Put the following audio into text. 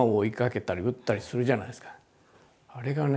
あれがね